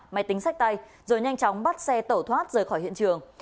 máy tính sách tay rồi nhanh chóng bắt xe tẩu thoát rời khỏi hiện trường